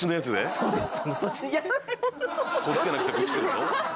そうです。